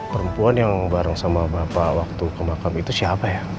perempuan yang bareng sama bapak waktu ke makam itu siapa ya